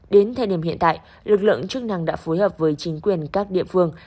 đến thời điểm hiện tại lực lượng chức năng đã phối hợp với chính quyền các địa phương